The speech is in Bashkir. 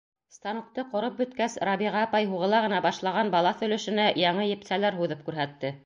— Станокты ҡороп бөткәс, Рабиға апай һуғыла ғына башлаған балаҫ өлөшөнә яңы епсәләр һуҙып күрһәтте.